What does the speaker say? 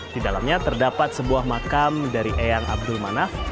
di dalamnya terdapat sebuah makam dari eyang abdul manaf